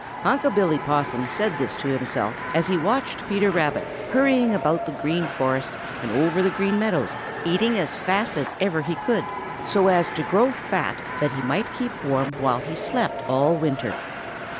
|UNC' BILLY POSSUM said this to himself as he watched Peter Rabbit hurrying about through the Green Forest and over the Green Meadows, eating as fast as ever he could so as to grow fat that he might keep warm while he slept all winter.